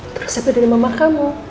terus sampai dari mama kamu